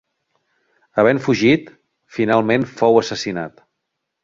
Havent fugit, finalment fou assassinat.